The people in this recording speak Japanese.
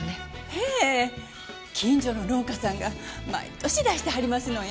ええ近所の農家さんが毎年出してはりますのえ。